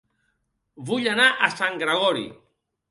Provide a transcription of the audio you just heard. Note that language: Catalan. Vull anar a Sant Gregori